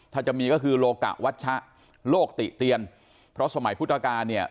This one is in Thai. ถ้าจะมีก็คือโลกะวัชชะโลกติเตียนเพราะสมัยพุทธกาลเนี่ย